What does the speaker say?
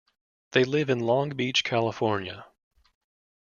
They live in Long Beach, California.